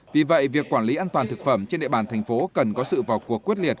vì vậy việc quản lý an toàn thực phẩm trên địa bàn thành phố cần có sự vào cuộc quyết liệt